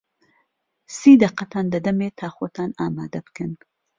سی دەقەتان دەدەمێ تا خۆتان ئامادە بکەن.